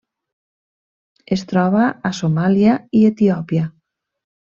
Es troba a Somàlia i Etiòpia.